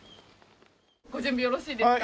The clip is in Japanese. ご準備よろしいですか？